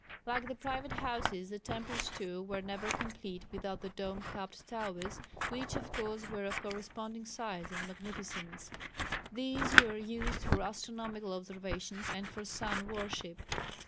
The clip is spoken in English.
Like the private houses the temples too were never complete without the dome capped towers, which of course were of corresponding size and magnificence. These were used for astronomical observations and for sun worship.